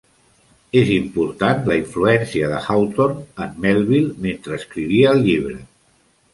És important la influència de Hawthorne en Melville mentre escrivia el llibre.